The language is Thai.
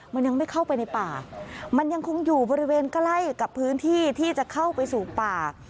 มันยังไม่เข้าไปในป่ามันยังคงอยู่บริเวณใกล้กับพื้นที่ที่จะเข้าไปสู่ป่า